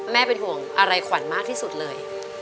เป็นห่วงอะไรขวัญมากที่สุดเลย